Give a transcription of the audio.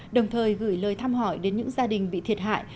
đồng thời gửi lời thăm hỏi đến những gia đình bị thiệt hại